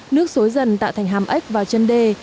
nước xối dần tạo thành hàm ếch vào chân đê